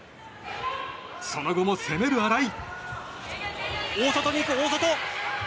その後も攻める新井。